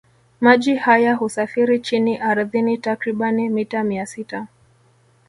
Maji haya husafiri chini ardhini takribani mita mia sita